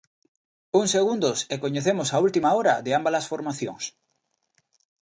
Uns segundos e coñecemos a última hora de ambas as formacións.